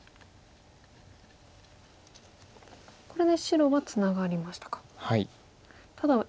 これで白はツナがりましたか。